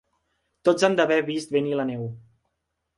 Tots han d'haver vist venir la neu.